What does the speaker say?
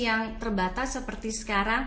yang terbatas seperti sekarang